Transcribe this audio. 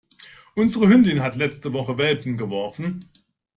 Unsere Hündin hat letzte Woche Welpen geworfen.